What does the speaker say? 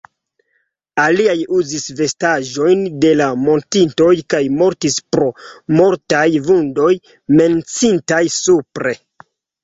Aliaj uzis vestaĵojn de la mortintoj kaj mortis pro mortaj vundoj, menciitaj supre.